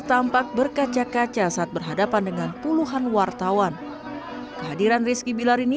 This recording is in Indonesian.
tampak berkaca kaca saat berhadapan dengan puluhan wartawan kehadiran rizky bilar ini